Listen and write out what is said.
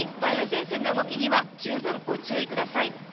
前線の動きには十分ご注意ください。